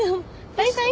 バイバイ。